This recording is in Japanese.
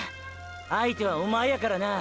相手はおまえやからな。